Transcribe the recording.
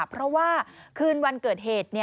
เพราะว่าคืนวันเกิดเหตุ